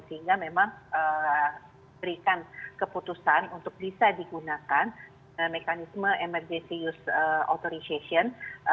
sehingga memang berikan keputusan untuk bisa digunakan mekanisme emergency use authorization